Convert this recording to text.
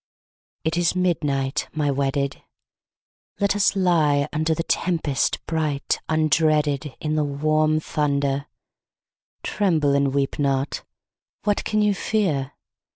I. It is midnight, my wedded ; Let us lie under The tempest bright undreaded. In the warm thunder : (Tremble and weep not I What can you fear?)